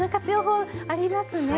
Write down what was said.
法ありますね。